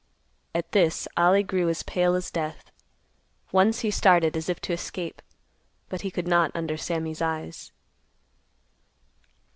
At this, Ollie grew as pale as death. Once he started as if to escape, but he could not under Sammy's eyes.